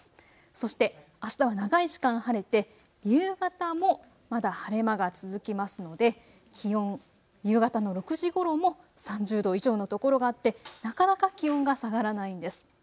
そしてあしたは長い時間晴れて夕方もまだ晴れ間が続きますので気温、夕方の６時ごろも３０度以上の所があって、なかなか気温が下がらないんです。